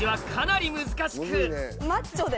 マッチョで。